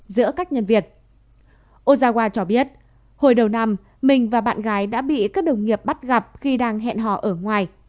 giữa các nhân viên ozawa cho biết hồi đầu năm mình và bạn gái đã bị các đồng nghiệp bắt gặp khi đang hẹn họ ở ngoài